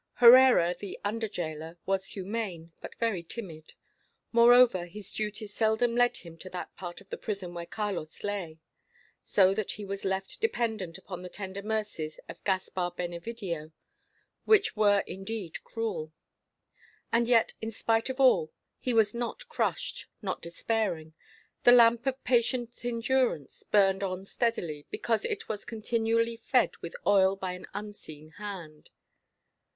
Herrera, the under gaoler, was humane, but very timid; moreover, his duties seldom led him to that part of the prison where Carlos lay. So that he was left dependent upon the tender mercies of Caspar Benevidio, which were indeed cruel. And yet, in spite of all, he was not crushed, not despairing. The lamp of patient endurance burned on steadily, because it was continually fed with oil by an unseen Hand.